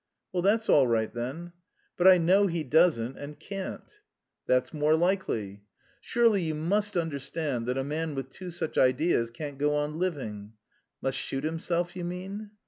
"Well, that's all right, then." "But I know He doesn't and can't." "That's more likely." "Surely you must understand that a man with two such ideas can't go on living?" "Must shoot himself, you mean?"